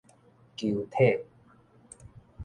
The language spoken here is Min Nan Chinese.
球體